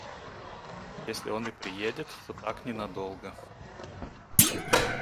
– Если он и приедет, то так ненадолго.